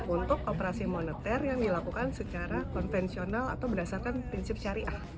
untuk operasi moneter yang dilakukan secara konvensional atau berdasarkan prinsip syariah